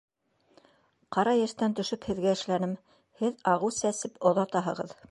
Ҡара йәштән төшөп һеҙгә эшләнем, һеҙ ағыу сәсеп оҙатаһығыҙ!